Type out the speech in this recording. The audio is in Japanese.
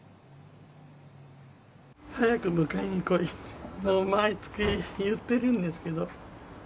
早く迎えに来いと、毎月言ってるんですけど。